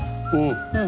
うん。